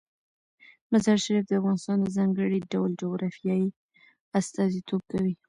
مزارشریف د افغانستان د ځانګړي ډول جغرافیه استازیتوب کوي.